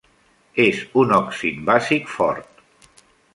És un òxid bàsic fort.